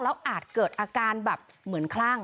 แล้วอาจเกิดอาการแบบเหมือนคลั่ง